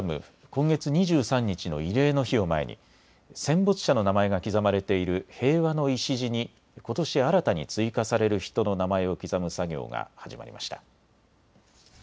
今月２３日の慰霊の日を前に戦没者の名前が刻まれている平和の礎にことし新たに追加される人の名前を刻む作業が始まりました。